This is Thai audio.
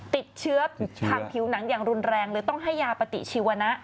ติดเชื้อทางผิวหนังอย่างรุนแรงเลยต้องให้ยาปฏิชีวนะ